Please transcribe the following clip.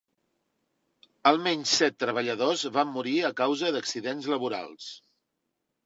Almenys set treballadors van morir a causa d'accidents laborals.